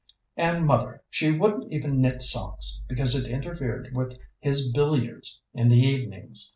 "And mother she wouldn't even knit socks, because it interfered with his billiards in the evenings!